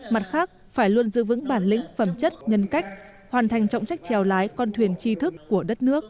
mặt khác phải luôn giữ vững bản lĩnh phẩm chất nhân cách hoàn thành trọng trách trèo lái con thuyền chi thức của đất nước